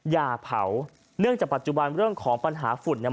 อย่าเผาเนื่องจากปัจจุบันเรื่องของปัญหาฝุ่นเนี่ย